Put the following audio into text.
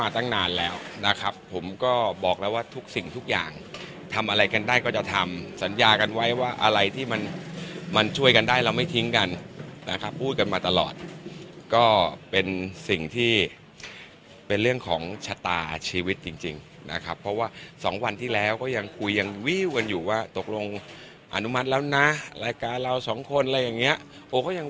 ตอนที่เราขึ้นแถวนี้คุณน้องมีความรักใจแล้วเป็นแบบไหน